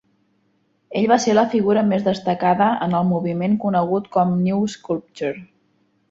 Ell va ser la figura més destacada en el moviment conegut com "New Sculpture".